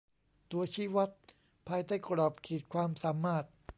ตัวชี้วัดภายใต้กรอบขีดความสามารถ